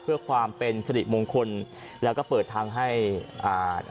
เพื่อความเป็นสริมงคลแล้วก็เปิดทางให้อ่า